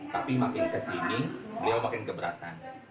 tapi makin kesini beliau makin keberatan